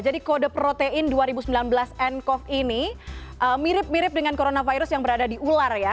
jadi kode protein dua ribu sembilan belas ncov ini mirip mirip dengan coronavirus yang berada di ular ya